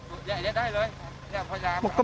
ตอนแรกคิดเลยไหมว่าน่าจะศพของน้องธันวาหรืออย่างนี้ครับ